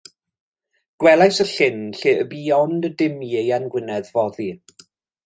Gwelais y llyn lle y bu ond y dim i Ieuan Gwynedd foddi.